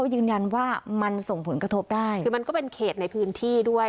ถึงแม้ว่ายืนยันว่าอยู่ที่ริมฝั่งคนอื่นเขาก็เล่นน้ำกัน